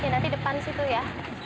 nanti depan situ ya